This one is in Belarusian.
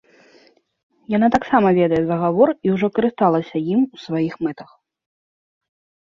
Яна таксама ведае загавор і ўжо карысталася ім у сваіх мэтах.